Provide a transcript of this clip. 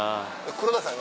黒田さん